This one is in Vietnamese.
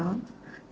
đấy là điều đó